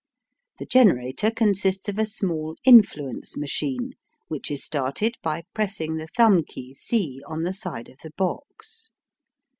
The generator consists of a small "influence" machine, which is started by pressing the thumb key C on the side of the box.